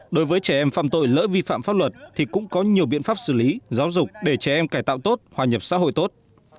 đối với trẻ em phạm tội lỡ vi phạm pháp luật thì cũng có nhiều biện pháp xử lý giáo dục để trẻ em cải tạo tốt hòa nhập xã hội tốt